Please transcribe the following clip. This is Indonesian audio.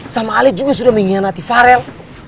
sama alit juga sudah mengkhianati farel